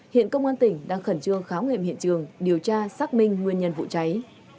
hiện công an tỉnh đang khẩn trương khám nghiệm hiện trường điều tra xác minh nguyên nhân vụ cháy